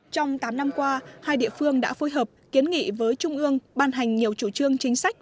trong tám năm qua hai địa phương đã phối hợp kiến nghị với trung ương ban hành nhiều chủ trương chính sách